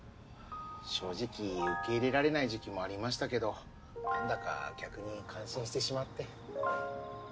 正直受け入れられない時期もありましたけど何だか逆に感心してしまって。